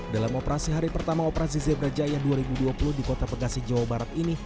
dalam operasi hari pertama operasi zebra jaya dua ribu dua puluh di kota bekasi jawa barat ini